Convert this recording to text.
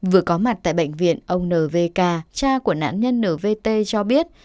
vừa có mặt tại bệnh viện ông nvk cha của nạn nhân nvt cho biết